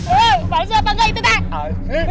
eh palsu apa gak itu teh